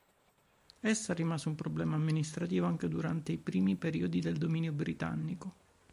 Essa rimase un problema amministrativo anche durante i primi periodi del dominio britannico.